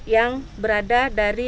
yang berada dari